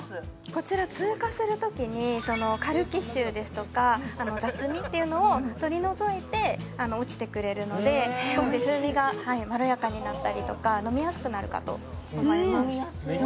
こちら通過する時にカルキ臭ですとか雑味っていうのを取り除いて落ちてくれるので少し風味がまろやかになったり飲みやすくなるかと思います